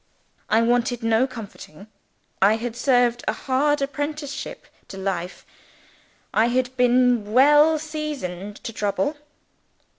I wanted no comforting. I had served a hard apprenticeship to life; I had been well seasoned to trouble.